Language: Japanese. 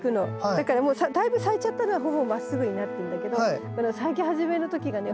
だからだいぶ咲いちゃったのはほぼまっすぐになってんだけどこの咲き始めの時がね